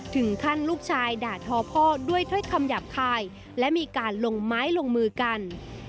ถึงขั้นลูกชายด่าทอพ่อด้วยถ้อยคำหยาบคายและมีการลงไม้ลงมือกัน